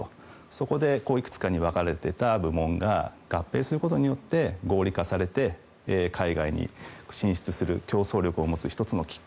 そこでいくつかに分かれていた部門が合併することによって合理化されて海外に競合する力を持ったと。